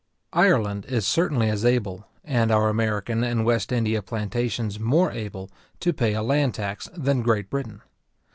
Ireland is certainly as able, and our American and West India plantations more able, to pay a land tax, than Great Britain.